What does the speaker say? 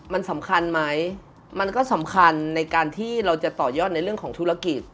มันสำคัญไหมมันก็สำคัญในการที่เราจะต่อยอดในเรื่องของธุรกิจ